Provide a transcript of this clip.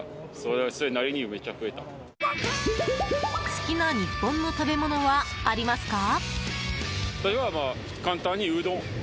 好きな日本の食べ物はありますか？